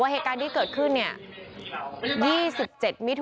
เหตุการณ์ที่เกิดขึ้นนี่